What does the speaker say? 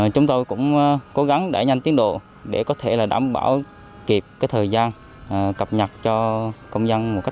chúng tôi cũng cố gắng đẩy nhanh tiến độ để có thể đảm bảo kịp thời gian cập nhật cho công dân